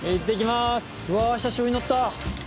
久しぶりに乗った。